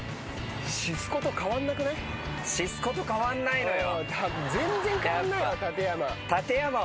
シスコと変わんないのよ。